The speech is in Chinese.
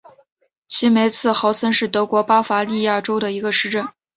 齐梅茨豪森是德国巴伐利亚州的一个市镇。